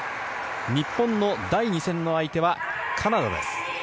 日本の第２戦の相手はカナダです。